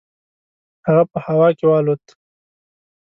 هغه په هوا کې والوت.